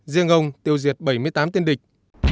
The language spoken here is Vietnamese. riêng ông tiêu diệt bảy mươi tám tiên địch